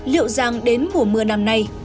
liệu rằng đến mùa mưa năm nay